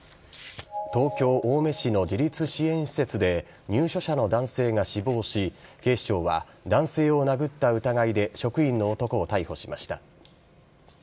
東京・青梅市の自立支援施設で、入所者の男性が死亡し、警視庁は、男性を殴った疑いで職員の男を逮捕しました。